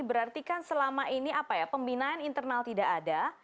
berarti kan selama ini apa ya pembinaan internal tidak ada